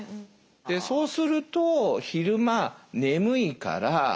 そうすると昼間眠いから体調も悪い。